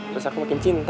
terus aku makin cinta